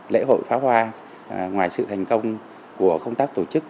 lễ hội phá hoa ngoài sự thành công của công tác tổ chức